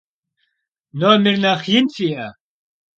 Nomêr nexh yin fi'e?